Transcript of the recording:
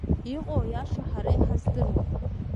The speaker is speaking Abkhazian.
Иҟоу аиаша ҳара иҳаздыруам…